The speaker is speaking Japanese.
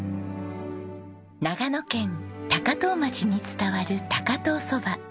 長野県高遠町に伝わる高遠そば。